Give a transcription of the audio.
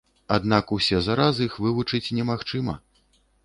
Аднак усе за раз іх вывучыць немагчыма.